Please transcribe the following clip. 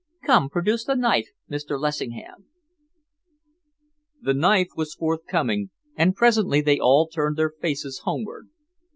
Come, produce the knife, Mr. Lessingham." The knife was forthcoming, and presently they all turned their faces homeward.